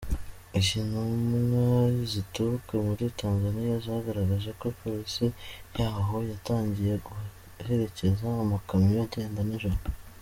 Iki intumwa zituruka muri Tanzaniya, zagaragaje ko polisi yahoo yatangiye guherekeza amakamyo agenda nijoro.